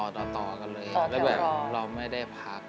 แล้วแบบเราไม่ได้พัก